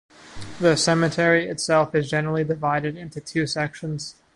The cemetery itself is generally divided into two sections.